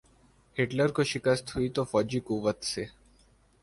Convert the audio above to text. Hitler کو شکست ہوئی تو فوجی قوت سے۔